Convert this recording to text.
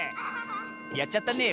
やっちゃったねえ